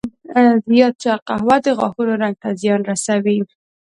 زیات چای او قهوه د غاښونو رنګ ته زیان رسوي.